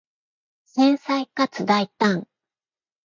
繊細かつ大胆